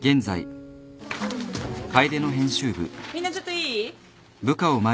みんなちょっといい？